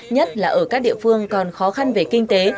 nhất là ở các địa phương còn khó khăn về kinh tế